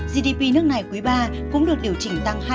gdp nước này quý iii cũng được điều chỉnh tăng hai một